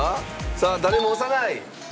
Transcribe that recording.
さあ誰も押さない。